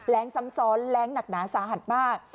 ซ้ำซ้อนแรงหนักหนาสาหัสมาก